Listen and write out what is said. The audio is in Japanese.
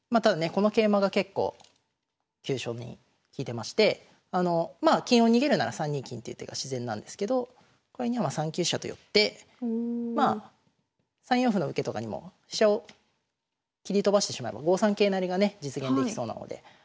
この桂馬が結構急所に利いてましてまあ金を逃げるなら３二金という手が自然なんですけどこれには３九飛車と寄って３四歩の受けとかにも飛車を切り飛ばしてしまえば５三桂成がね実現できそうなので。